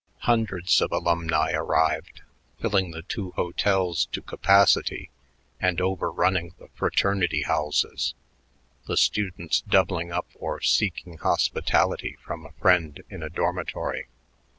Hundreds of alumni arrived, filling the two hotels to capacity and overrunning the fraternity houses, the students doubling up or seeking hospitality from a friend in a dormitory.